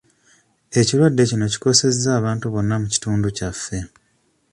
Ekirwadde kino kikosezza abantu bonna mu kitundu kyaffe.